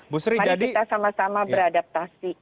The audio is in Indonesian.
mari kita sama sama beradaptasi